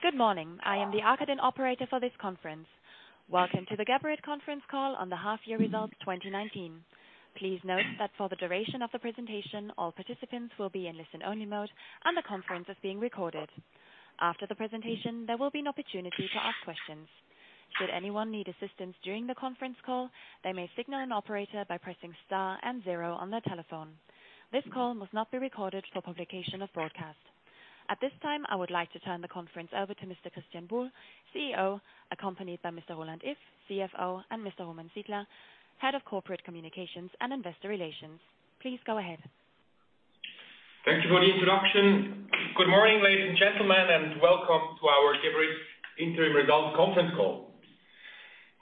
Good morning. I am the operator for this conference. Welcome to the Geberit conference call on the half year results, 2019. Please note that for the duration of the presentation, all participants will be in listen-only mode, and the conference is being recorded. After the presentation, there will be an opportunity to ask questions. Should anyone need assistance during the conference call, they may signal an operator by pressing star and zero on their telephone. This call must not be recorded for publication or broadcast. At this time, I would like to turn the conference over to Mr. Christian Buhl, CEO, accompanied by Mr. Roland Iff, CFO, and Mr. Roman Sidler, Head of Corporate Communications and Investor Relations. Please go ahead. Thank you for the introduction. Good morning, ladies and gentlemen, and welcome to our Geberit interim results conference call.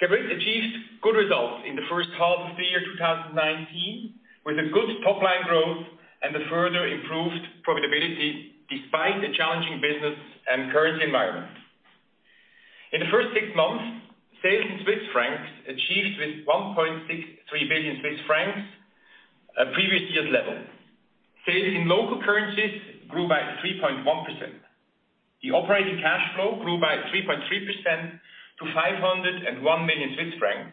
Geberit achieved good results in the first half of the year 2019, with a good top-line growth and a further improved profitability, despite a challenging business and currency environment. In the first six months, sales in CHF achieved with 1.63 billion Swiss francs previous year's level. Sales in local currencies grew by 3.1%. The operating cash flow grew by 3.3% to 501 million Swiss francs,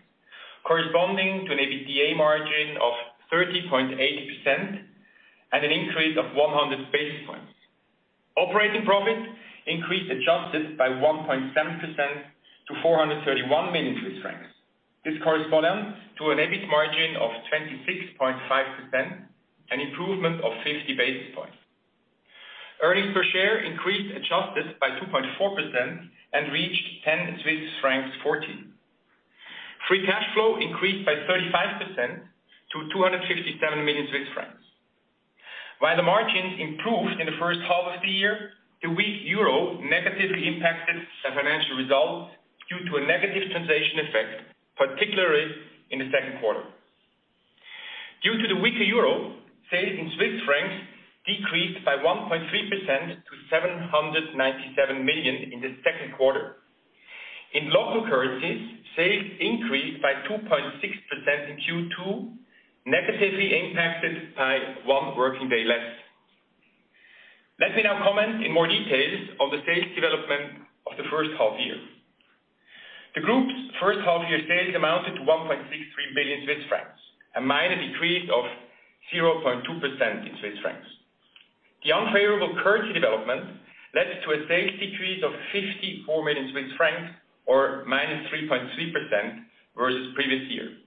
corresponding to an EBITDA margin of 30.8% and an increase of 100 basis points. Operating profit increased, adjusted by 1.7% to 431 million Swiss francs. This corresponds to an EBIT margin of 26.5%, an improvement of 50 basis points. Earnings per share increased, adjusted by 2.4% and reached 10.40 Swiss francs. Free cash flow increased by 35% to 257 million Swiss francs. While the margins improved in the first half of the year, the weak euro negatively impacted the financial results due to a negative translation effect, particularly in the second quarter. Due to the weaker euro, sales in CHF decreased by 1.3% to 797 million in the second quarter. In local currencies, sales increased by 2.6% in Q2, negatively impacted by one working day less. Let me now comment in more details on the sales development of the first half year. The group's first half year sales amounted to 1.63 billion Swiss francs, a minor decrease of 0.2% in CHF. The unfavorable currency development led to a sales decrease of 54 million Swiss francs or -3.3% versus the previous year.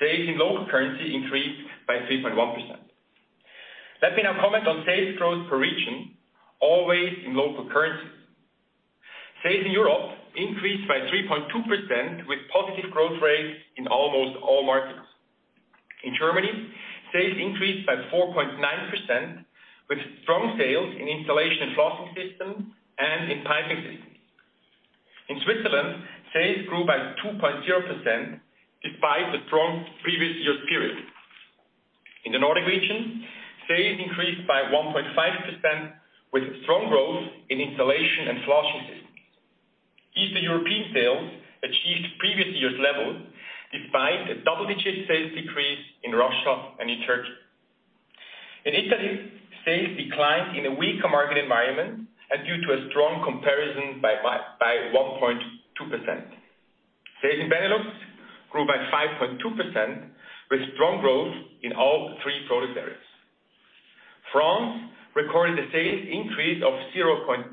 Sales in local currency increased by 3.1%. Let me now comment on sales growth per region, always in local currency. Sales in Europe increased by 3.2% with positive growth rates in almost all markets. In Germany, sales increased by 4.9% with strong sales in Installation and Flushing Systems and in Piping Systems. In Switzerland, sales grew by 2.0% despite the strong previous year's period. In the Nordic region, sales increased by 1.5% with strong growth in Installation and Flushing Systems. Eastern European sales achieved previous year's level despite a double-digit sales decrease in Russia and in Turkey. In Italy, sales declined in a weaker market environment and due to a strong comparison by 1.2%. Sales in Benelux grew by 5.2% with strong growth in all three product areas. France recorded a sales increase of 0.9%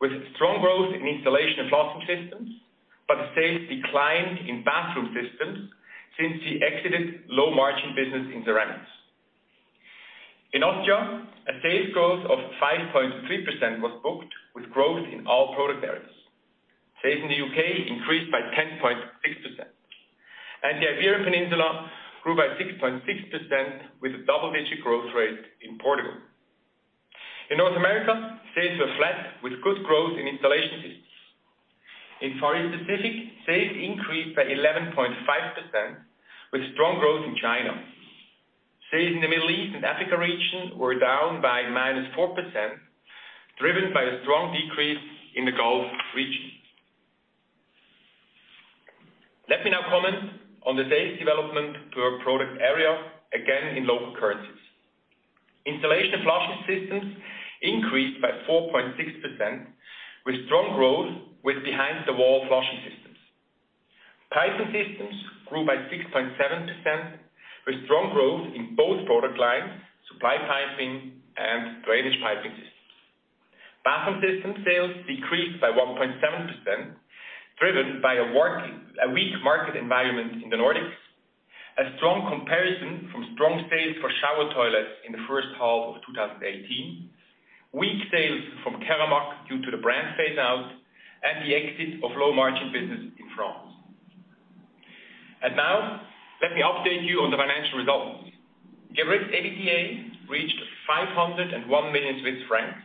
with strong growth in Installation and Flushing Systems, but sales declined in Bathroom Systems since we exited low-margin business in ceramics. In Austria, a sales growth of 5.3% was booked with growth in all product areas. Sales in the U.K. increased by 10.6%. The Iberian Peninsula grew by 6.6% with a double-digit growth rate in Portugal. In North America, sales were flat with good growth in installation systems. In Far East Pacific, sales increased by 11.5% with strong growth in China. Sales in the Middle East and Africa region were down by -4%, driven by a strong decrease in the Gulf region. Let me now comment on the sales development per product area, again, in local currencies. Installation and Flushing Systems increased by 4.6% with strong growth with behind-the-wall flushing systems. Piping Systems grew by 6.7% with strong growth in both product lines, Supply Systems and Building Drainage Systems. Bathroom Systems sales decreased by 1.7%, driven by a weak market environment in the Nordics, a strong comparison from strong sales for shower toilets in the first half 2018, weak sales from Keramag due to the brand phase-out, and the exit of low-margin business in France. Now, let me update you on the financial results. Geberit's EBITDA reached 501 million Swiss francs,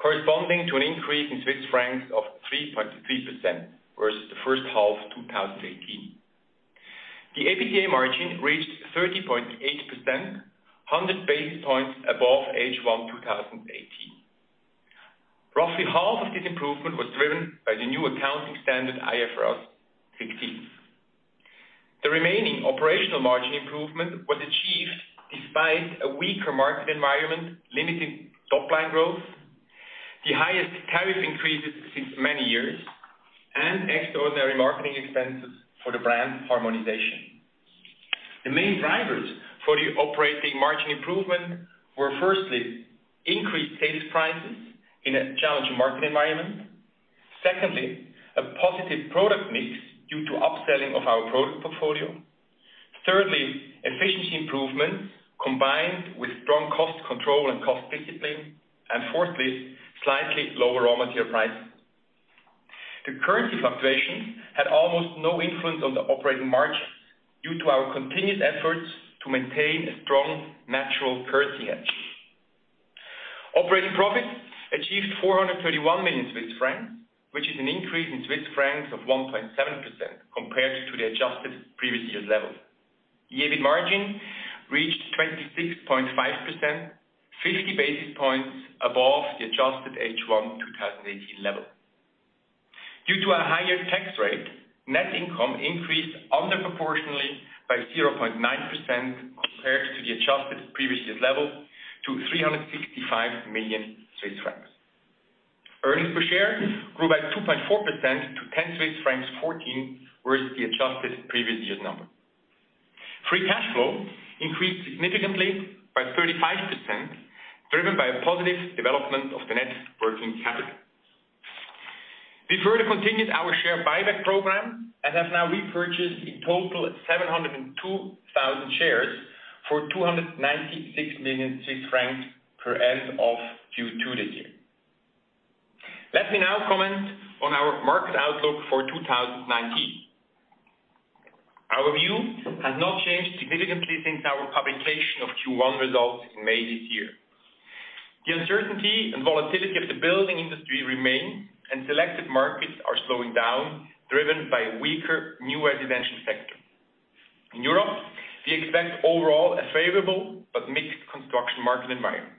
corresponding to an increase in CHF of 3.3% versus the first half 2018. The EBITDA margin reached 30.8%, 100 basis points above H1 2018. Roughly half of this improvement was driven by the new accounting standard IFRS 16. The remaining operational margin improvement was achieved despite a weaker market environment limiting top-line growth, the highest tariff increases since many years, and extraordinary marketing expenses for the brand harmonization. The main drivers for the operating margin improvement were firstly, increased sales prices in a challenging market environment. Secondly, a positive product mix due to upselling of our product portfolio. Thirdly, efficiency improvement combined with strong cost control and cost discipline. Fourthly, slightly lower raw material prices. The currency fluctuation had almost no influence on the operating margin due to our continued efforts to maintain a strong natural currency edge. Operating profit achieved 431 million Swiss francs, which is an increase in CHF of 1.7% compared to the adjusted previous year's level. EBIT margin reached 26.5%, 50 basis points above the adjusted H1 2018 level. Due to a higher tax rate, net income increased under proportionally by 0.9% compared to the adjusted previous year's level to 365 million Swiss francs. Earnings per share grew by 2.4% to 10.40 Swiss francs versus the adjusted previous year's number. Free cash flow increased significantly by 35%, driven by a positive development of the net working capital. We further continued our share buyback program and have now repurchased a total of 702,000 shares for 296 million Swiss francs per end of Q2 this year. Let me now comment on our market outlook for 2019. Our view has not changed significantly since our publication of Q1 results in May this year. The uncertainty and volatility of the building industry remain, and selected markets are slowing down, driven by a weaker new residential sector. In Europe, we expect overall a favorable but mixed construction market environment.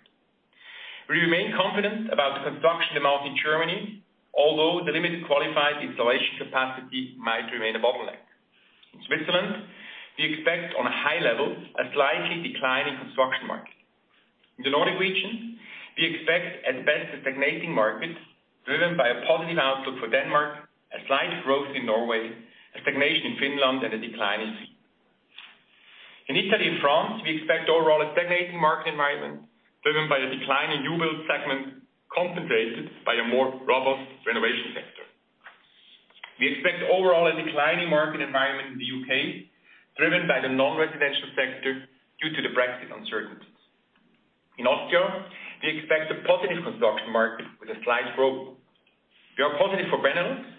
We remain confident about the construction amount in Germany, although the limited qualified installation capacity might remain a bottleneck. In Switzerland, we expect on a high level, a slight decline in construction market. In the Nordic region, we expect at best a stagnating market driven by a positive outlook for Denmark, a slight growth in Norway, a stagnation in Finland, and a decline in Sweden. In Italy and France, we expect overall a stagnating market environment driven by the decline in new build segment compensated by a more robust renovation sector. We expect overall a declining market environment in the U.K. driven by the non-residential sector due to the Brexit uncertainties. In Austria, we expect a positive construction market with a slight growth. We are positive for Benelux,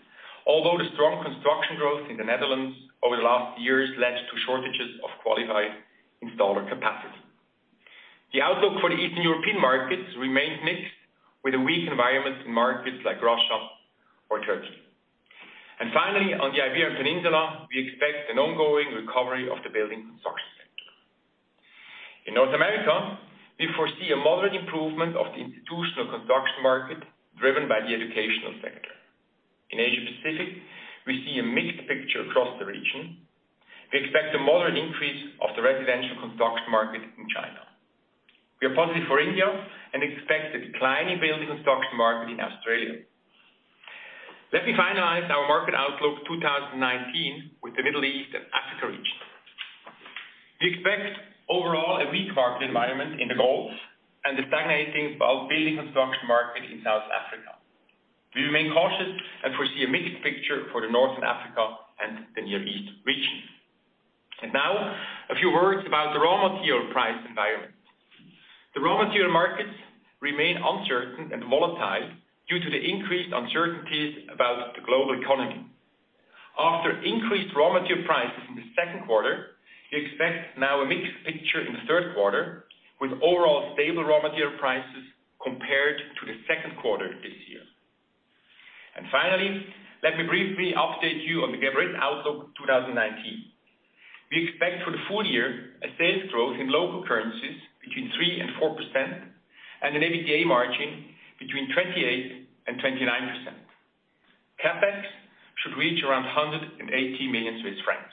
although the strong construction growth in the Netherlands over the last years led to shortages of qualified installer capacity. The outlook for the Eastern European markets remains mixed, with a weak environment in markets like Russia or Turkey. Finally, on the Iberian Peninsula, we expect an ongoing recovery of the building construction sector. In North America, we foresee a moderate improvement of the institutional construction market driven by the educational sector. In Asia Pacific, we see a mixed picture across the region. We expect a moderate increase of the residential construction market in China. We are positive for India and expect a decline in building construction market in Australia. Let me finalize our market outlook 2019 with the Middle East and Africa region. We expect overall a weak market environment in the Gulf and a stagnating but building construction market in South Africa. We remain cautious and foresee a mixed picture for the Northern Africa and the Near East region. Now a few words about the raw material price environment. The raw material markets remain uncertain and volatile due to the increased uncertainties about the global economy. After increased raw material prices in the second quarter, we expect now a mixed picture in the third quarter with overall stable raw material prices compared to the second quarter this year. Finally, let me briefly update you on the Geberit outlook 2019. We expect for the full year a sales growth in local currencies between 3% and 4% and an EBITDA margin between 28% and 29%. CapEx should reach around 180 million Swiss francs.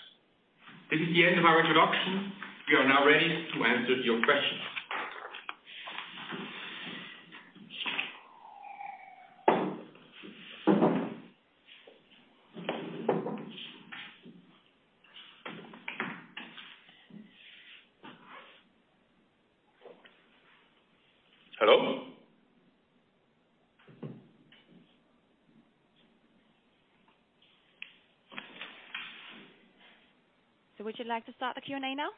This is the end of our introduction. We are now ready to answer your questions. Hello? Would you like to start the Q&A now?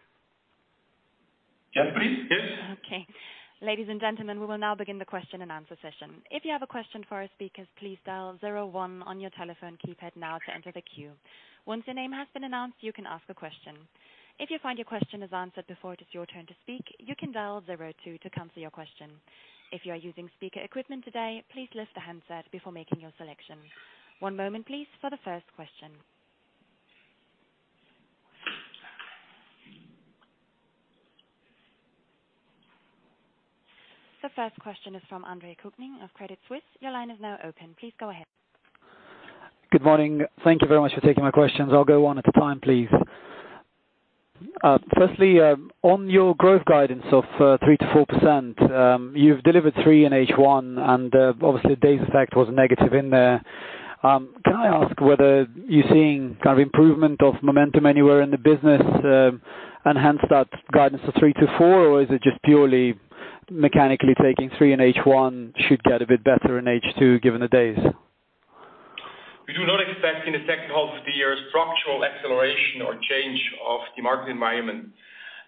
Yeah, please. Yes. Okay. Ladies and gentlemen, we will now begin the question and answer session. If you have a question for our speakers, please dial zero one on your telephone keypad now to enter the queue. Once your name has been announced, you can ask a question. If you find your question is answered before it is your turn to speak, you can dial zero two to cancel your question. If you are using speaker equipment today, please lift the handset before making your selection. One moment please for the first question. The first question is from Andrej Kukhnin of Credit Suisse. Your line is now open. Please go ahead. Good morning. Thank you very much for taking my questions. I'll go one at a time, please. Firstly, on your growth guidance of 3% to 4%, you've delivered three in H1 and obviously day's effect was negative in there. Can I ask whether you're seeing improvement of momentum anywhere in the business, hence that guidance to three to four? Is it just purely mechanically taking three in H1 should get a bit better in H2 given the days? We do not expect in the second half of the year structural acceleration or change of the market environment.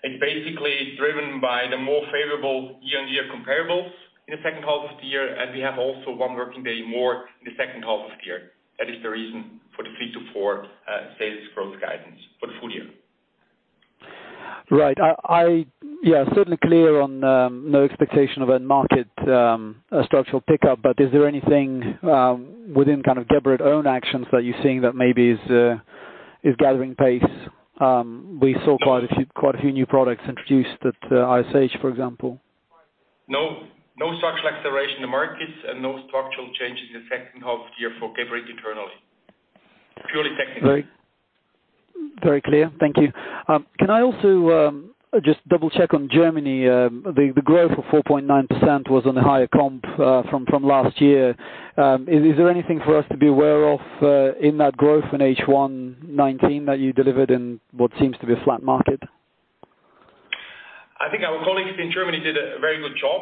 It's basically driven by the more favorable year-on-year comparables in the second half of the year, and we have also one working day more in the second half of the year. That is the reason for the 3%-4% sales growth guidance for the full year. Right. Certainly clear on no expectation of end market structural pickup, but is there anything within Geberit own actions that you're seeing that maybe is gathering pace? We saw quite a few new products introduced at ISH, for example. No structural acceleration in the markets and no structural changes in the second half of the year for Geberit internally. Purely technical. Very clear. Thank you. Can I also just double-check on Germany, the growth of 4.9% was on a higher comp from last year. Is there anything for us to be aware of in that growth in H1 2019 that you delivered in what seems to be a flat market? I think our colleagues in Germany did a very good job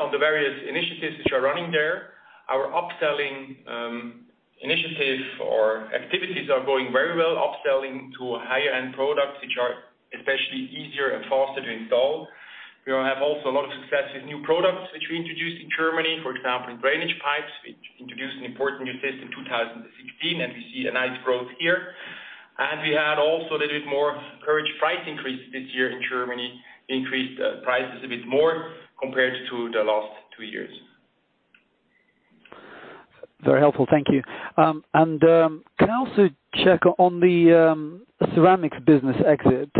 on the various initiatives which are running there. Our upselling initiative or activities are going very well, upselling to higher end products, which are especially easier and faster to install. We have also a lot of success with new products which we introduced in Germany, for example, in drainage pipes, which introduced an important new test in 2016, and we see a nice growth here. We had also a little bit more courage price increase this year in Germany, increased prices a bit more compared to the last two years. Very helpful. Thank you. Can I also check on the ceramics business exit?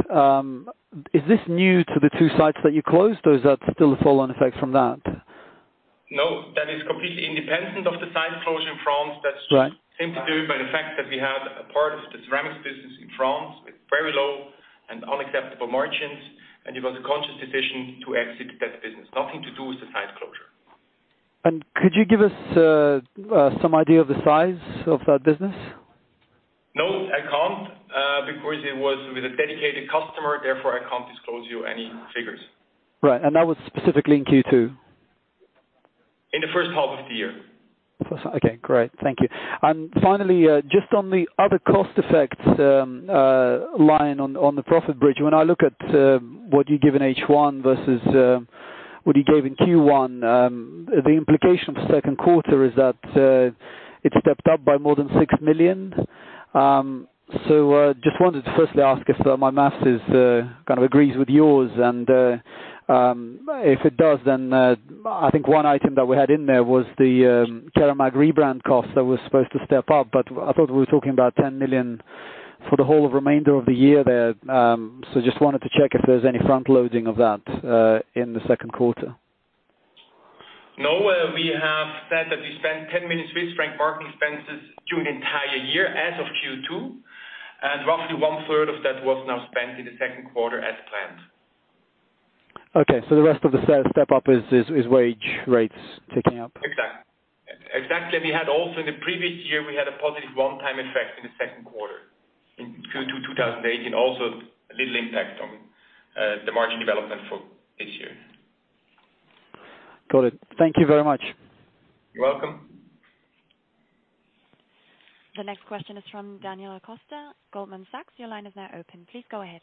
Is this new to the two sites that you closed, or is that still a follow-on effect from that? No, that is completely independent of the site closure in France. Right. That's simply due by the fact that we had a part of the ceramics business in France with very low and unacceptable margins, and it was a conscious decision to exit that business. Nothing to do with the site closure. Could you give us some idea of the size of that business? No, I can't, because it was with a dedicated customer, therefore, I can't disclose to you any figures. Right. That was specifically in Q2? In the first half of the year. Okay, great. Thank you. Finally, just on the other cost effects line on the profit bridge, when I look at what you give in H1 versus what you gave in Q1, the implication for second quarter is that it stepped up by more than 6 million. Just wanted to firstly ask if my math agrees with yours and, if it does, then I think one item that we had in there was the Keramag rebrand cost that was supposed to step up. I thought we were talking about 10 million for the whole remainder of the year there. Just wanted to check if there was any front-loading of that in the second quarter. No. We have said that we spend 10 million Swiss franc marketing expenses during the entire year as of Q2, and roughly one third of that was now spent in the second quarter as planned. Okay, the rest of the step up is wage rates ticking up. Exactly. We had also in the previous year, we had a positive one-time effect in the second quarter in 2018. Also a little impact on the margin development for this year. Got it. Thank you very much. You're welcome. The next question is from Daniela Costa, Goldman Sachs. Your line is now open. Please go ahead.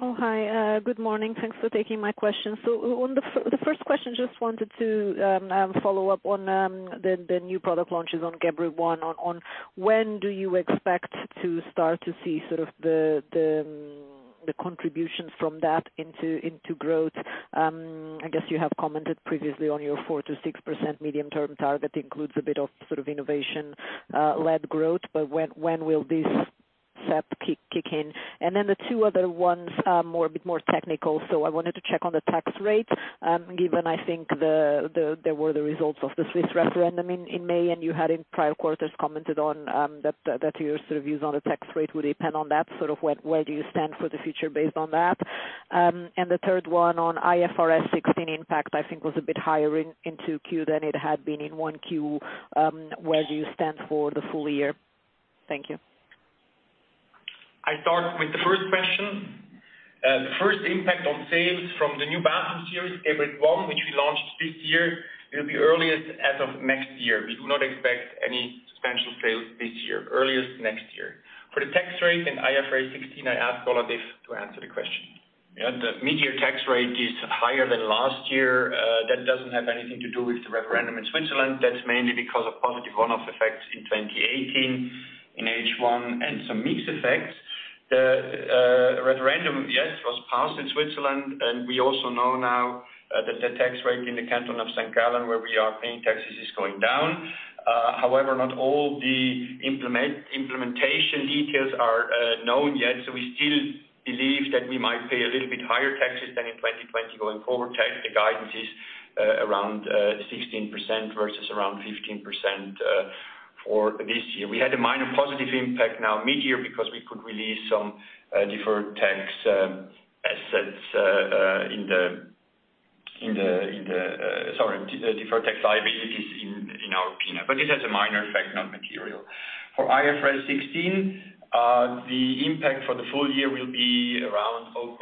Oh, hi. Good morning. Thanks for taking my question. The first question, just wanted to follow up on the new product launches on Geberit ONE, when do you expect to start to see the contributions from that into growth? I guess you have commented previously on your 4%-6% medium term target includes a bit of innovation-led growth, when will this step kick in? The two other ones are a bit more technical. I wanted to check on the tax rate, given I think there were the results of the Swiss referendum in May, and you had in prior quarters commented on that your views on the tax rate would depend on that. Where do you stand for the future based on that? The third one on IFRS 16 impact, I think was a bit higher into Q than it had been in 1Q. Where do you stand for the full year? Thank you. I start with the first question. The first impact on sales from the new bathroom series, Geberit ONE, which we launched this year, will be earliest as of next year. We do not expect any substantial sales this year, earliest next year. For the tax rate and IFRS 16, I ask Roland to answer the question. The mid-year tax rate is higher than last year. That doesn't have anything to do with the referendum in Switzerland. That's mainly because of positive one-off effects in 2018 in H1 and some mix effects. The referendum, yes, was passed in Switzerland, and we also know now that the tax rate in the canton of St. Gallen, where we are paying taxes, is going down. However, not all the implementation details are known yet, so we still believe that we might pay a little bit higher taxes than in 2020 going forward. Tax, the guidance is around 16% versus around 15% for this year. We had a minor positive impact now mid-year because we could release some deferred tax liabilities in our P&L. This has a minor effect, not material. For IFRS 16, the impact for the full year will be around 0.5%,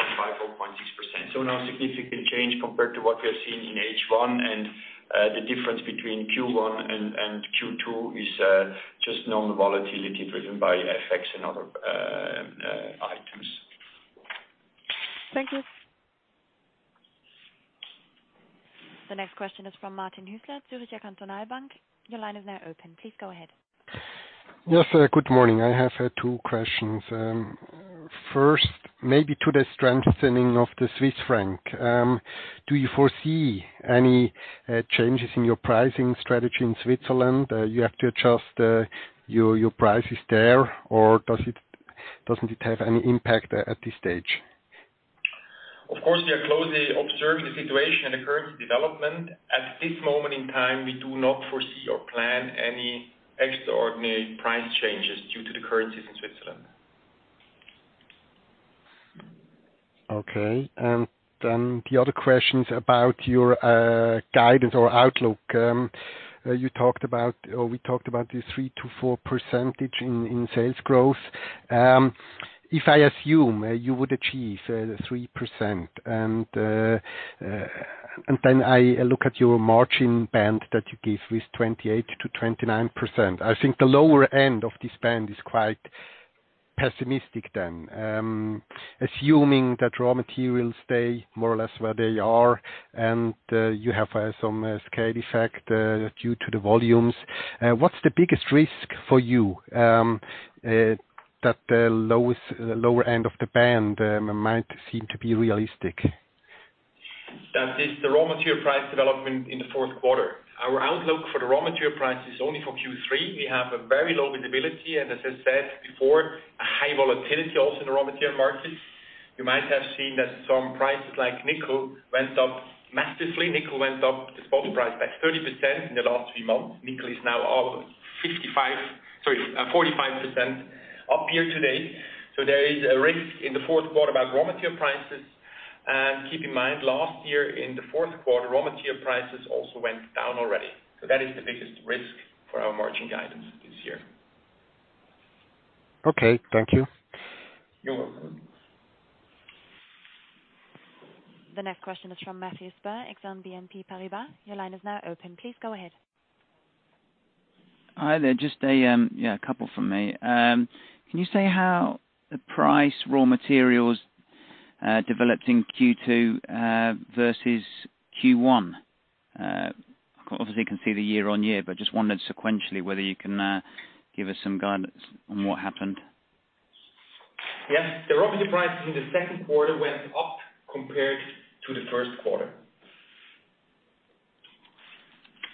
0.6%. No significant change compared to what we have seen in H1 and the difference between Q1 and Q2 is just normal volatility driven by FX and other items. Thank you. The next question is from Martin Hüsler, Zürcher Kantonalbank. Your line is now open. Please go ahead. Yes, good morning. I have two questions. First, maybe to the strengthening of the Swiss franc. Do you foresee any changes in your pricing strategy in Switzerland? Do you have to adjust your prices there or doesn't it have any impact at this stage? Of course, we are closely observing the situation and the currency development. At this moment in time, we do not foresee or plan any extraordinary price changes due to the currencies in Switzerland. Okay. The other question is about your guidance or outlook. We talked about the 3%-4% in sales growth. If I assume you would achieve 3% and then I look at your margin band that you give with 28%-29%, I think the lower end of this band is quite pessimistic then. Assuming that raw materials stay more or less where they are and you have some scale effect due to the volumes, what's the biggest risk for you that the lower end of the band might seem to be realistic? That is the raw material price development in the fourth quarter. Our outlook for the raw material price is only for Q3. We have a very low visibility and, as I said before, a high volatility also in the raw material markets. You might have seen that some prices like nickel went up massively. Nickel went up the spot price by 30% in the last three months. Nickel is now up 45% up here today. There is a risk in the fourth quarter about raw material prices, and keep in mind, last year in the fourth quarter, raw material prices also went down already. That is the biggest risk for our margin guidance this year. Okay. Thank you. You're welcome. The next question is from Matthew Spurr, Exane BNP Paribas. Your line is now open. Please go ahead. Hi there. Just a couple from me. Can you say how the price raw materials developed in Q2 versus Q1? Obviously, can see the year-on-year, but just wondered sequentially whether you can give us some guidance on what happened. Yes. The raw material prices in the second quarter went up compared to the first quarter.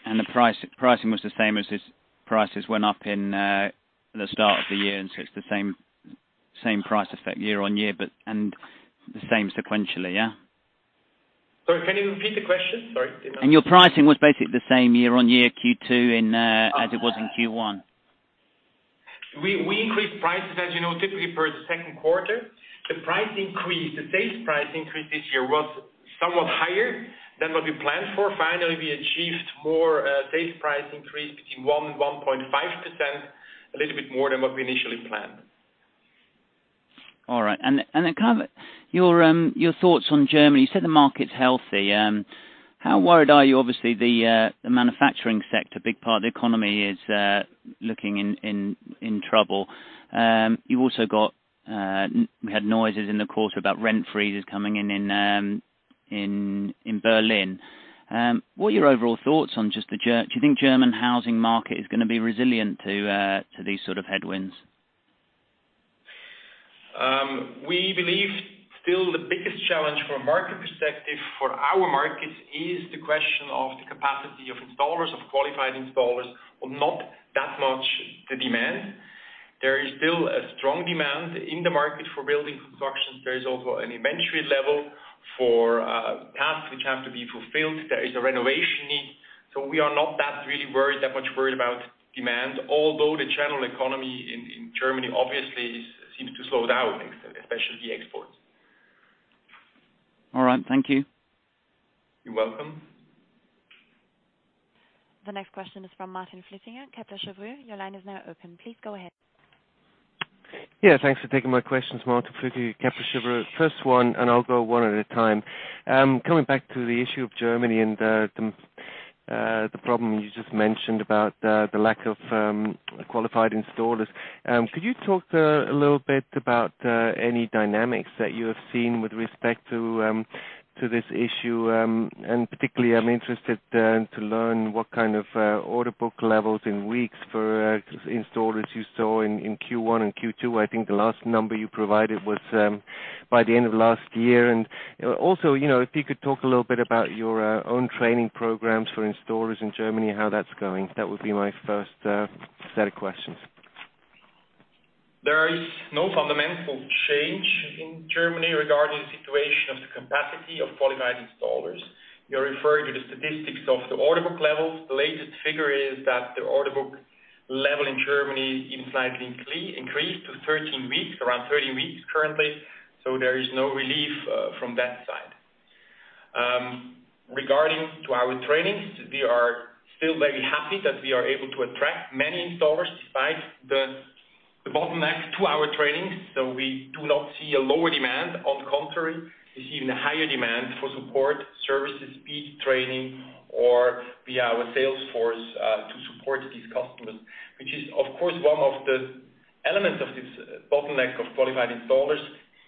The pricing was the same as its prices went up in the start of the year, and so it's the same price effect year-over-year and the same sequentially, yeah? Sorry, can you repeat the question? Sorry. Your pricing was basically the same year-over-year Q2 as it was in Q1? We increased prices, as you know, typically for the second quarter. The sales price increase this year was somewhat higher than what we planned for. Finally, we achieved more sales price increase between 1% and 1.5%, a little bit more than what we initially planned. All right. Your thoughts on Germany. You said the market's healthy. How worried are you? Obviously, the manufacturing sector, big part of the economy, is looking in trouble. We had noises in the quarter about rent freezes coming in Berlin. What are your overall thoughts on? Do you think German housing market is going to be resilient to these sort of headwinds? We believe still the biggest challenge from a market perspective for our markets is the question of the capacity of installers, of qualified installers, or not that much the demand. There is still a strong demand in the market for building constructions. There is also an inventory level for tasks which have to be fulfilled. There is a renovation need. We are not that much worried about demand, although the general economy in Germany obviously seems to slow down, especially exports. All right. Thank you. You're welcome. The next question is from Martin Flückiger, Kepler Cheuvreux. Your line is now open. Please go ahead. Thanks for taking my questions. Martin Flückiger, Kepler Cheuvreux. First one, I'll go one at a time. Coming back to the issue of Germany and the problem you just mentioned about the lack of qualified installers. Could you talk a little bit about any dynamics that you have seen with respect to this issue? Particularly, I'm interested to learn what kind of order book levels in weeks for installers you saw in Q1 and Q2. I think the last number you provided was by the end of last year. Also, if you could talk a little bit about your own training programs for installers in Germany, how that's going, that would be my first set of questions. There is no fundamental change in Germany regarding the situation of the capacity of qualified installers. You're referring to the statistics of the order book levels. The latest figure is that the order book level in Germany even slightly increased to 13 weeks, around 13 weeks currently. There is no relief from that side. Regarding to our trainings, we are still very happy that we are able to attract many installers despite the bottleneck to our trainings. We do not see a lower demand. On the contrary, we see even a higher demand for support, services, be it training or via our sales force, to support these customers. Which is of course one of the elements of this bottleneck of qualified installers.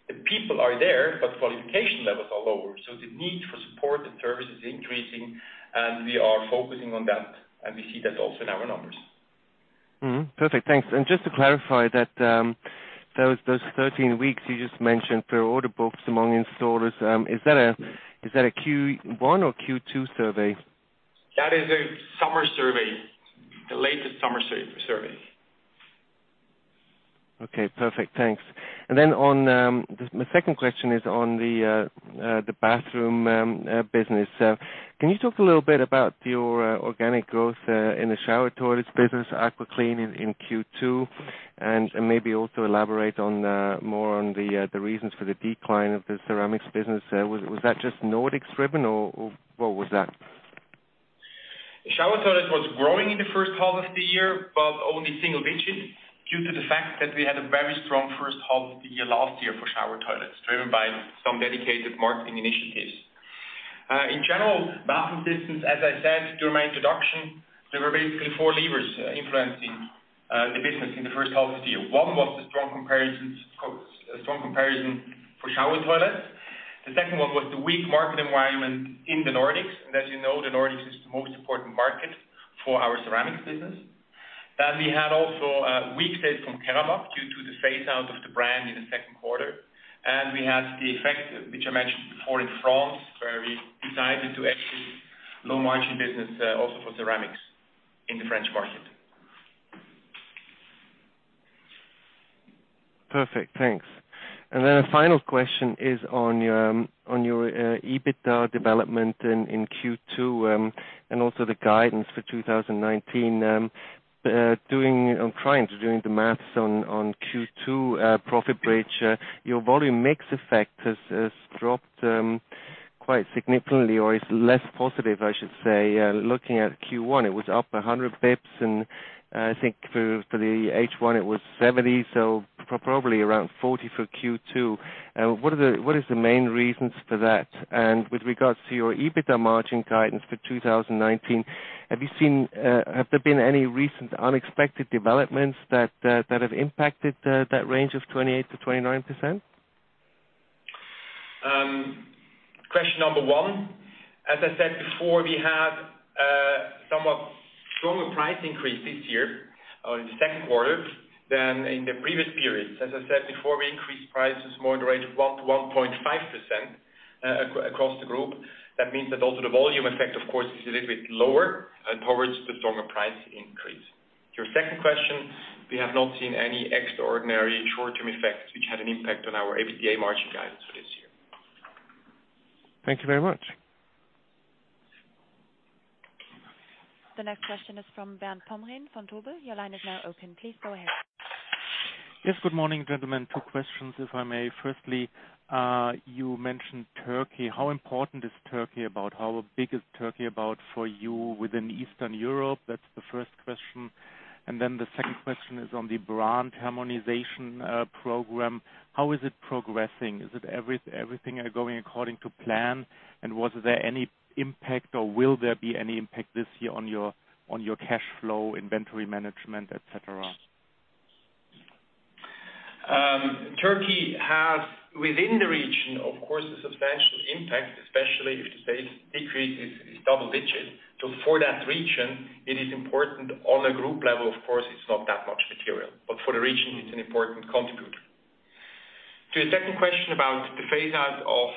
The people are there, qualification levels are lower. The need for support and service is increasing, and we are focusing on that, and we see that also in our numbers. Perfect. Thanks. Just to clarify that, those 13 weeks you just mentioned for order books among installers, is that a Q1 or Q2 survey? That is a summer survey. The latest summer survey. Okay, perfect. Thanks. Then, my second question is on the bathroom business. Can you talk a little bit about your organic growth in the shower toilets business, AquaClean, in Q2, and maybe also elaborate more on the reasons for the decline of the ceramics business. Was that just Nordics driven, or what was that? Shower toilet was growing in the first half of the year, only single digits due to the fact that we had a very strong first half of the year last year for shower toilets, driven by some dedicated marketing initiatives. In general, Bathroom business, as I said during my introduction, there were basically four levers influencing the business in the first half of the year. One was the strong comparison for shower toilets. The second one was the weak market environment in the Nordics. As you know, the Nordics is the most important market for our ceramics business. We had also weak sales from Keramag due to the phase-out of the brand in the second quarter. We had the effect, which I mentioned before in France, where we decided to exit low-margin business also for ceramics in the French market. Perfect, thanks. Then a final question is on your EBITDA development in Q2 and also the guidance for 2019. I'm trying to doing the maths on Q2 profit bridge. Your volume mix effect has dropped quite significantly or is less positive, I should say. Looking at Q1, it was up 100 basis points, and I think for the H1 it was 70, so probably around 40 for Q2. What is the main reasons for that? With regards to your EBITDA margin guidance for 2019, have there been any recent unexpected developments that have impacted that range of 28%-29%? Question number one, as I said before, we had somewhat stronger price increase this year or in the second quarter than in the previous periods. As I said before, we increased prices more in the range of 1%-1.5% across the group. That means that also the volume effect, of course, is a little bit lower towards the stronger price increase. To your second question, we have not seen any extraordinary short-term effects which had an impact on our EBITDA margin guidance for this year. Thank you very much. The next question is from Bernd Pomrehn from Bank Vontobel. Your line is now open. Please go ahead. Yes, good morning, gentlemen. Two questions, if I may. Firstly, you mentioned Turkey. How important is Turkey about? How big is Turkey about for you within Eastern Europe? That's the first question. The second question is on the brand harmonization program. How is it progressing? Is everything going according to plan? Was there any impact, or will there be any impact this year on your cash flow, inventory management, et cetera? Turkey has, within the region, of course, a substantial impact, especially if the sales decrease is double digits. For that region, it is important. On a group level, of course, it's not that much material, but for the region, it's an important contributor. To your second question about the phase-out of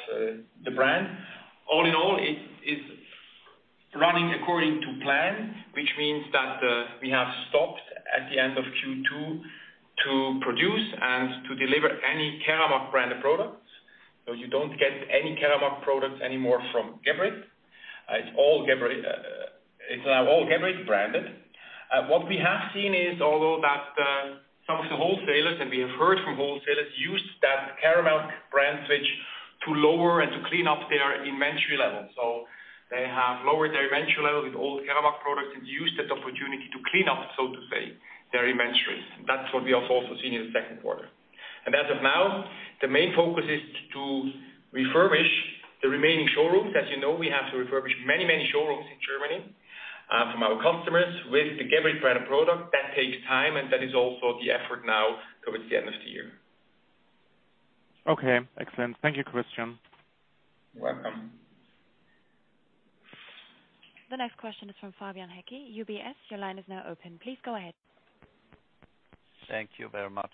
the brand. All in all, it is running according to plan, which means that we have stopped at the end of Q2 to produce and to deliver any Keramag branded products. You don't get any Keramag products anymore from Geberit. It's now all Geberit branded. What we have seen is, although that some of the wholesalers, and we have heard from wholesalers, used that Keramag brand switch to lower and to clean up their inventory levels. They have lowered their inventory levels with old Keramag products and used that opportunity to clean up, so to say, their inventories. That's what we have also seen in the second quarter. As of now, the main focus is to refurbish the remaining showrooms. As you know, we have to refurbish many showrooms in Germany from our customers with the Geberit branded product. That takes time, and that is also the effort now towards the end of the year. Okay, excellent. Thank you, Christian. Welcome. The next question is from Fabian Häcki, UBS. Your line is now open. Please go ahead. Thank you very much.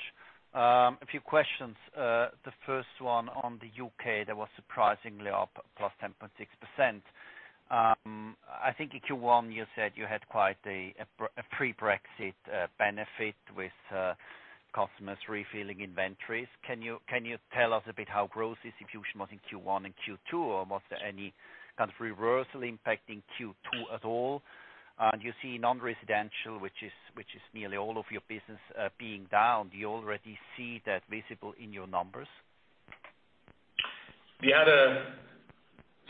A few questions. The first one on the U.K., that was surprisingly up +10.6%. I think in Q1 you said you had quite a pre-Brexit benefit with customers refilling inventories. Can you tell us a bit how gross distribution was in Q1 and Q2, or was there any kind of reversal impacting Q2 at all? You see non-residential, which is nearly all of your business being down. Do you already see that visible in your numbers? We had a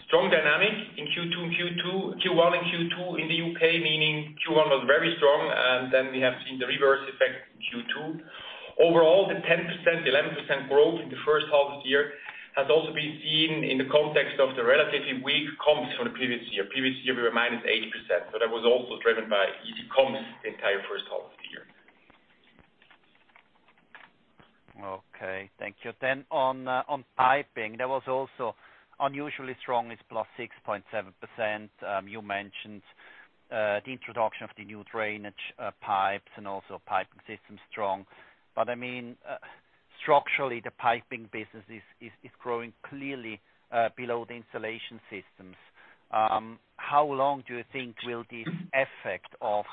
strong dynamic in Q1 and Q2 in the U.K., meaning Q1 was very strong and then we have seen the reverse effect in Q2. Overall, the 10%, 11% growth in the first half of the year, has also been seen in the context of the relatively weak comps from the previous year. Previous year, we were minus 8%, so that was also driven by easy comps the entire first half of the year. Okay. Thank you. On piping, that was also unusually strong. It's +6.7%. You mentioned the introduction of the new drainage pipes and also Piping Systems is strong. Structurally, the piping business is growing clearly below the Installation Systems. How long do you think will this effect of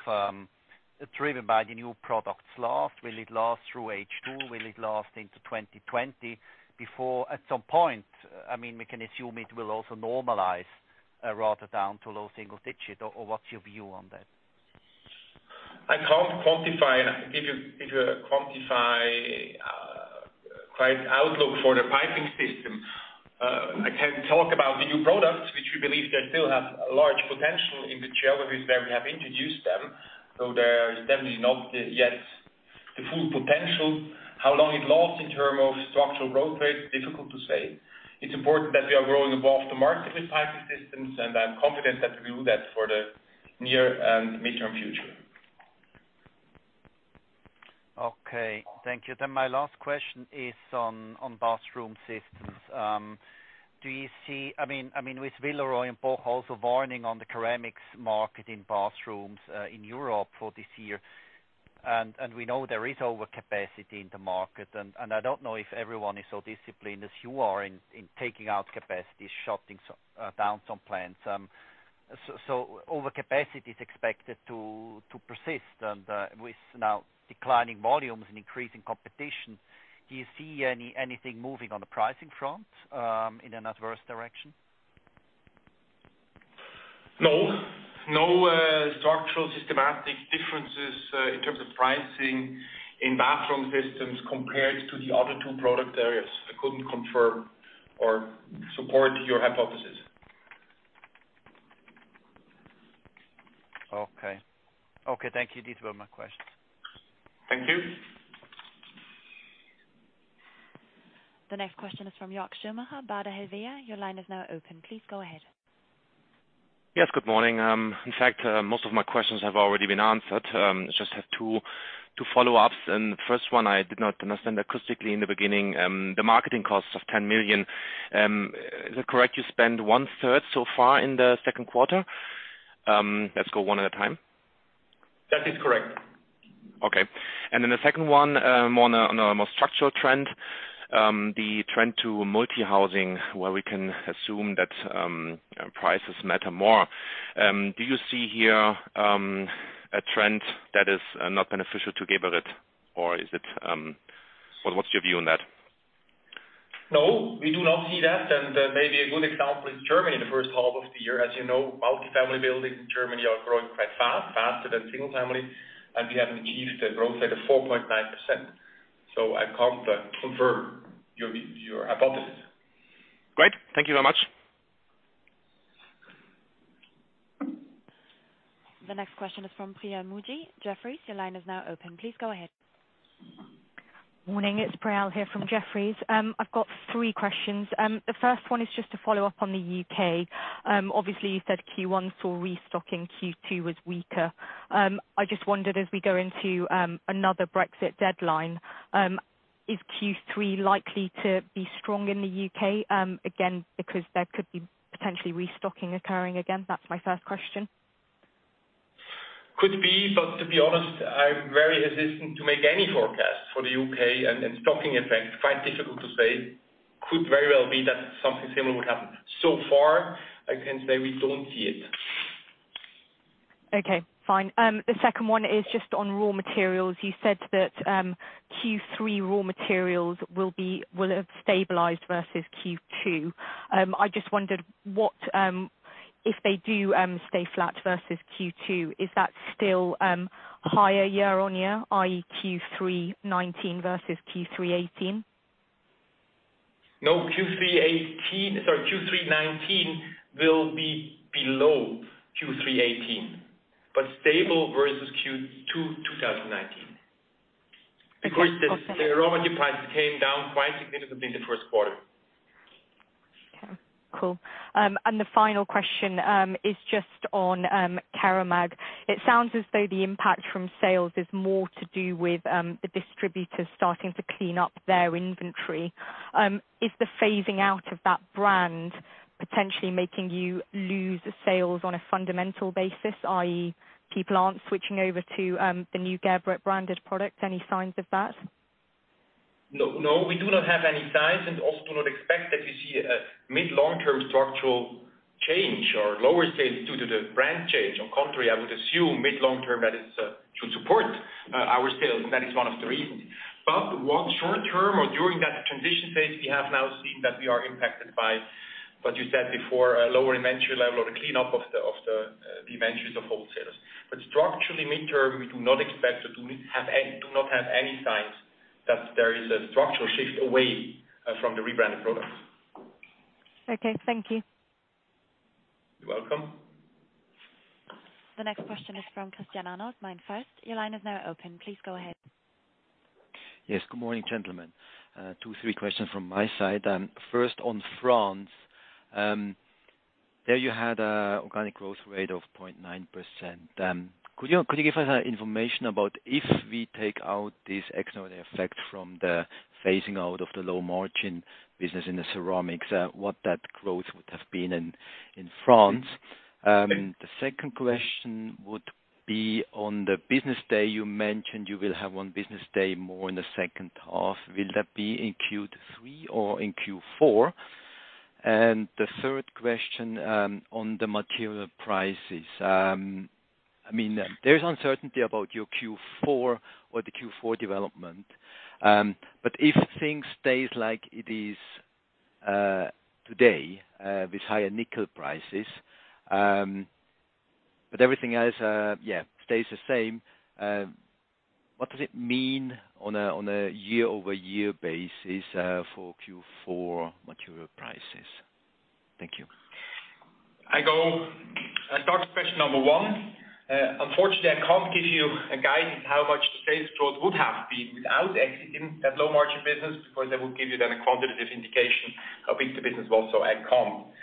driven by the new products last, will it last through H2? Will it last into 2020? Before at some point, we can assume it will also normalize rather down to low single digit or what's your view on that? I can't give you a quantify, quite an outlook for the Piping Systems. I can talk about the new products, which we believe they still have large potential in the geographies where we have introduced them. They're definitely not yet the full potential. How long it lasts in terms of structural growth rate, difficult to say. It's important that we are growing above the market with Piping Systems, and I'm confident that we will do that for the near and midterm future. Okay. Thank you. My last question is on Bathroom Systems. With Villeroy & Boch also warning on the ceramics market in bathrooms in Europe for this year, and we know there is overcapacity in the market, and I don't know if everyone is so disciplined as you are in taking out capacity, shutting down some plants. Overcapacity is expected to persist and with now declining volumes and increasing competition, do you see anything moving on the pricing front, in an adverse direction? No. No structural systematic differences in terms of pricing in Bathroom Systems compared to the other two product areas. I couldn't confirm or support your hypothesis. Okay. Thank you, these were my questions. Thank you. The next question is from Yörk Schumacher, Berenberg. Your line is now open. Please go ahead. Yes, good morning. In fact, most of my questions have already been answered. Just have two follow-ups. The first one I did not understand acoustically in the beginning, the marketing costs of 10 million. Is it correct you spend one third so far in the second quarter? Let's go one at a time. That is correct. Okay. The second one, on a more structural trend. The trend to multi-housing where we can assume that prices matter more. Do you see here a trend that is not beneficial to Geberit? What's your view on that? No, we do not see that. Maybe a good example is Germany in the first half of the year. As you know, multi-family buildings in Germany are growing quite fast, faster than single family, and we have achieved a growth rate of 4.9%. I can't confirm your hypothesis. Great. Thank you very much. The next question is from Priyal Woolf, Jefferies. Your line is now open. Please go ahead. Morning, it's Priyal here from Jefferies. I've got three questions. The first one is just to follow up on the U.K. Obviously, you said Q1 saw restocking, Q2 was weaker. I just wondered as we go into another Brexit deadline, is Q3 likely to be strong in the U.K., again, because there could be potentially restocking occurring again? That's my first question. Could be. To be honest, I'm very hesitant to make any forecast for the U.K. and stocking effect, quite difficult to say. Could very well be that something similar would happen. So far, I can say we don't see it. Okay, fine. The second one is just on raw materials. You said that Q3 raw materials will have stabilized versus Q2. I just wondered, if they do stay flat versus Q2, is that still higher year-on-year, i.e. Q3 2019 versus Q3 2018? No, Q3 2019 will be below Q3 2018, but stable versus Q2 2019. Okay. The raw material prices came down quite significantly in the first quarter. Cool. The final question is just on Keramag. It sounds as though the impact from sales is more to do with the distributors starting to clean up their inventory. Is the phasing out of that brand potentially making you lose sales on a fundamental basis, i.e., people aren't switching over to the new Geberit-branded product? Any signs of that? No, we do not have any signs and also do not expect that you see a mid, long-term structural change or lower sales due to the brand change. On contrary, I would assume mid, long-term that it should support our sales. That is one of the reasons. What short-term or during that transition phase, we have now seen that we are impacted by, what you said before, a lower inventory level or the cleanup of the inventories of wholesalers. Structurally, mid-term, we do not expect or do not have any signs that there is a structural shift away from the rebranded products. Okay, thank you. You're welcome. The next question is from Christian Arnold, MainFirst. Your line is now open. Please go ahead. Yes, good morning, gentlemen. Two, three questions from my side. First on France, there you had an organic growth rate of 0.9%. Could you give us information about if we take out this external effect from the phasing out of the low-margin business in the ceramics, what that growth would have been in France? The second question would be on the business day you mentioned you will have one business day more in the second half. Will that be in Q3 or in Q4? The third question on the material prices. There is uncertainty about your Q4 or the Q4 development. If things stay like it is today, with higher nickel prices, but everything else stays the same, what does it mean on a year-over-year basis for Q4 material prices? Thank you. I start with question number one. Unfortunately, I can't give you a guidance how much the sales growth would have been without exiting that low-margin business, because that would give you then a quantitative indication how big the business was. I can't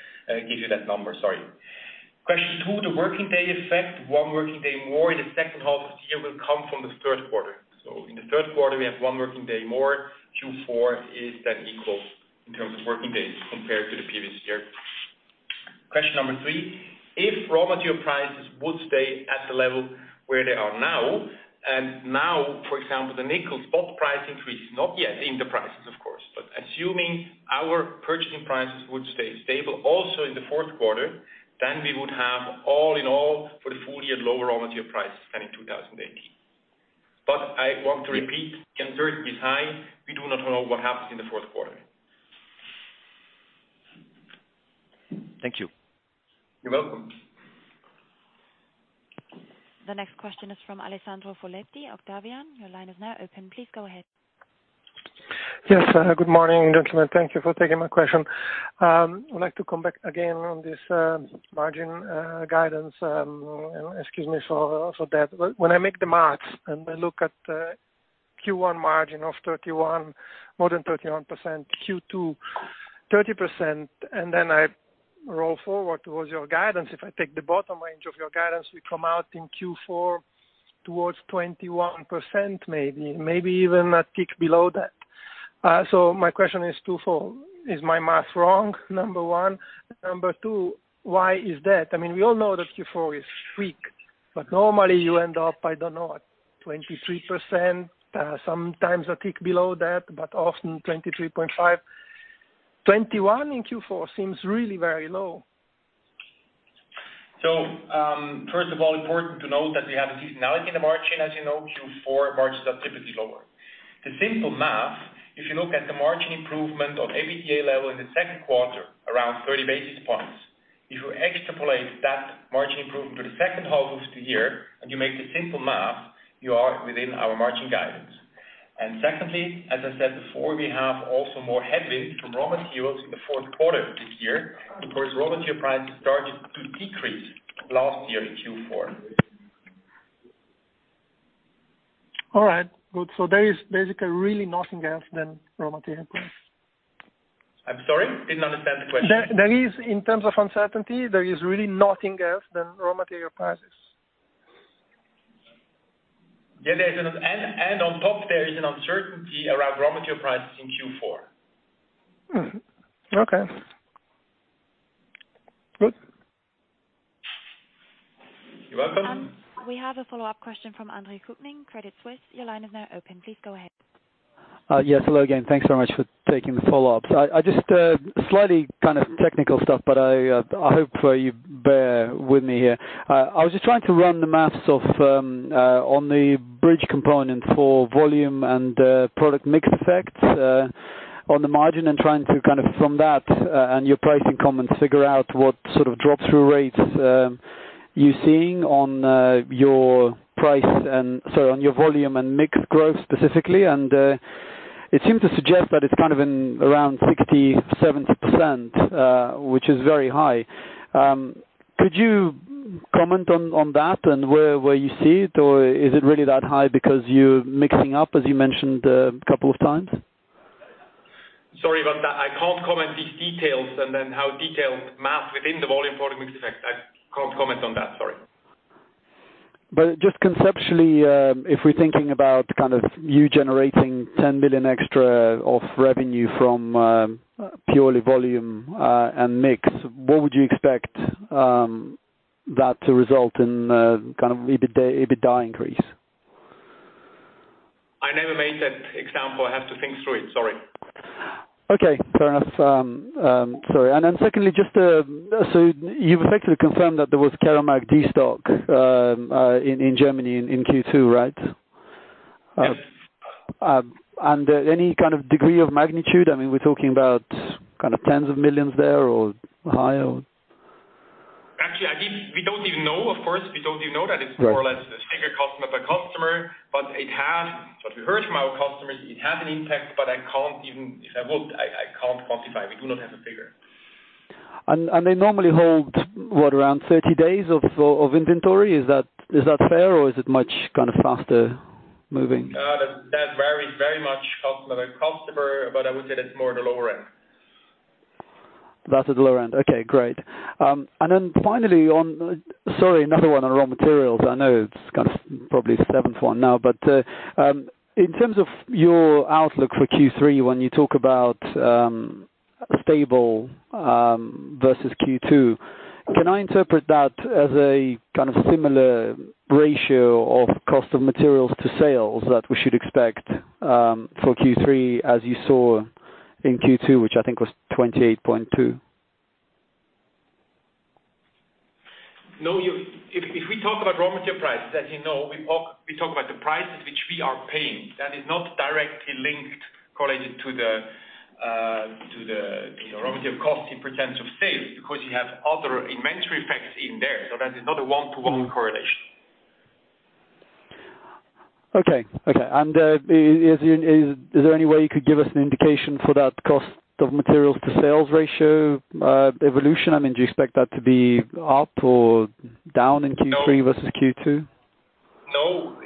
give you that number, sorry. Question two, the working day effect, one working day more in the second half of the year will come from the third quarter. In the third quarter, we have one working day more. Q4 is equal in terms of working days compared to the previous year. Question number three, if raw material prices would stay at the level where they are now, and now, for example, the nickel spot price increase, not yet in the prices, of course, but assuming our purchasing prices would stay stable also in the fourth quarter, then we would have all in all, for the full year, lower raw material prices than in 2018. I want to repeat, uncertainty is high. We do not know what happens in the fourth quarter. Thank you. You're welcome. The next question is from Alessandro Foletti, Octavian. Your line is now open. Please go ahead. Yes, good morning, gentlemen. Thank Thank you for taking my question. I'd like to come back again on this margin guidance. Excuse me for that. When I make the math and I look at Q1 margin of more than 31%, Q2 30%, then I roll forward towards your guidance, if I take the bottom range of your guidance, we come out in Q4 towards 21%, maybe. Maybe even a tick below that. My question is twofold. Is my math wrong? Number 1. Number 2, why is that? We all know that Q4 is weak, normally you end up, I don't know, at 23%, sometimes a tick below that, but often 23.5%. 21 in Q4 seems really very low. First of all, important to note that we have a seasonality in the margin. As you know, Q4 margins are typically lower. The simple math, if you look at the margin improvement of EBITDA level in the second quarter, around 30 basis points. If you extrapolate that margin improvement for the second half of the year and you make the simple math, you are within our margin guidance. Secondly, as I said before, we have also more headwind from raw materials in the fourth quarter of this year because raw material prices started to decrease last year in Q4. All right, good. There is basically really nothing else than raw material prices. I'm sorry. Didn't understand the question. In terms of uncertainty, there is really nothing else than raw material prices. On top, there is an uncertainty around raw material prices in Q4. Okay. Good. You're welcome. We have a follow-up question from Andrej Kukhnin, Credit Suisse. Your line is now open. Please go ahead. Yes. Hello again. Thanks very much for taking the follow-up. Just slightly kind of technical stuff, but I hope you bear with me here. I was just trying to run the math on the bridge component for volume and product mix effects on the margin and trying to, from that and your pricing comments, figure out what sort of drop-through rates you're seeing on your volume and mix growth specifically. It seemed to suggest that it's around 60%-70%, which is very high. Could you comment on that and where you see it, or is it really that high because you're mixing up, as you mentioned a couple of times? Sorry about that. I can't comment these details and then how detailed math within the volume product mix effect. I can't comment on that, sorry. Just conceptually, if we're thinking about you generating 10 million extra of revenue from purely volume and mix, what would you expect that to result in kind of EBITDA increase? I never made that example. I have to think through it, sorry. Okay, fair enough. Sorry. Secondly, you've effectively confirmed that there was Keramag destock in Germany in Q2, right? Yes. Any kind of degree of magnitude? I mean, we're talking about tens of millions there or higher? Actually, we don't even know, of course. We don't even know that it's more or less a figure customer by customer. We heard from our customers, it has an impact, but if I would, I can't quantify. We do not have a figure. They normally hold, what, around 30 days of inventory? Is that fair or is it much kind of faster moving? That varies very much customer by customer, but I would say that's more the lower end. That's the lower end. Okay, great. Finally, sorry, another one on raw materials. I know it's kind of probably the seventh one now. In terms of your outlook for Q3, when you talk about stable versus Q2, can I interpret that as a kind of similar ratio of cost of materials to sales that we should expect, for Q3 as you saw in Q2, which I think was 28.2%? No. If we talk about raw material prices, as you know, we talk about the prices which we are paying. That is not directly linked correlated to the raw material cost in percentage of sales because you have other inventory effects in there. That is not a one-to-one correlation. Okay. Is there any way you could give us an indication for that cost of materials to sales ratio, evolution? I mean, do you expect that to be up or down in Q3 versus Q2? No.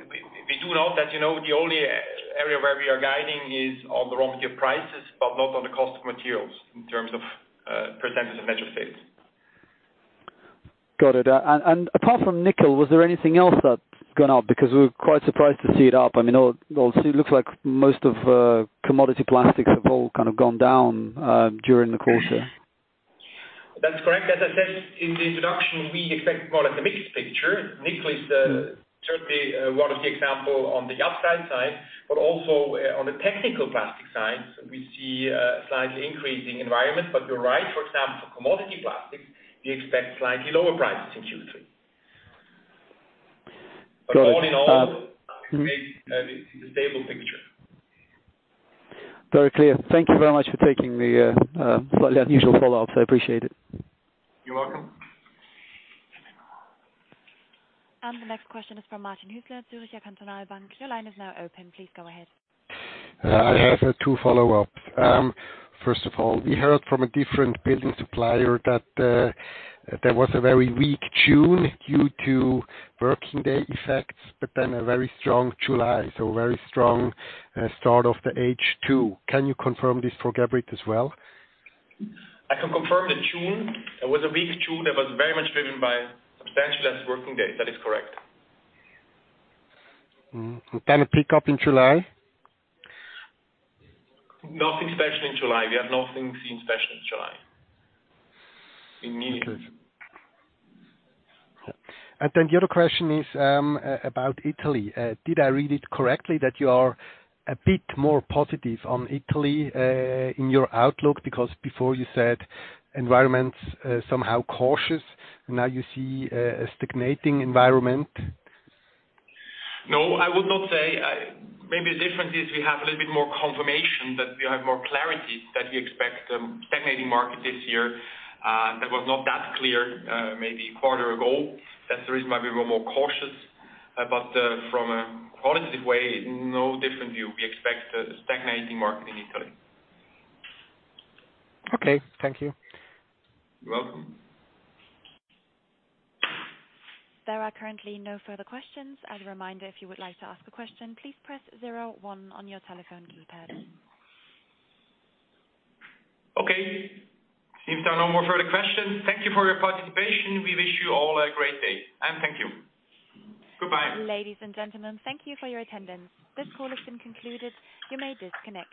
We do note that the only area where we are guiding is on the raw material prices, but not on the cost of materials in terms of % of net sales. Got it. Apart from nickel, was there anything else that's gone up? Because we were quite surprised to see it up. I mean, obviously it looks like most of commodity plastics have all kind of gone down during the quarter. That's correct. As I said in the introduction, we expect more or less a mixed picture. Nickel is certainly one of the example on the upside side, but also on the technical plastic side, we see a slightly increasing environment, but you're right, for example, for commodity plastics, we expect slightly lower prices in Q3. Got it. All in all, we expect a stable picture. Very clear. Thank you very much for taking the slightly unusual follow-ups. I appreciate it. You're welcome. The next question is from Martin Hüsler, Zürcher Kantonalbank. Your line is now open. Please go ahead. I have two follow-ups. First of all, we heard from a different building supplier that there was a very weak June due to working day effects, but then a very strong July, so very strong start of the H2. Can you confirm this for Geberit as well? I can confirm that June, it was a weak June that was very much driven by substantially less working days. That is correct. Then a pickup in July? Nothing special in July. We have nothing special in July. Okay. The other question is about Italy. Did I read it correctly that you are a bit more positive on Italy, in your outlook? Before you said environment's somehow cautious. Now you see a stagnating environment. No, I would not say. Maybe the difference is we have a little bit more confirmation that we have more clarity that we expect stagnating market this year. That was not that clear, maybe a quarter ago. That's the reason why we were more cautious. From a qualitative way, no different view. We expect a stagnating market in Italy. Okay. Thank you. You're welcome. There are currently no further questions. As a reminder, if you would like to ask a question, please press zero one on your telephone keypad. Okay. Seems there are no more further questions. Thank you for your participation. We wish you all a great day, and thank you. Goodbye. Ladies and gentlemen, thank you for your attendance. This call has been concluded. You may disconnect.